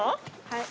はい。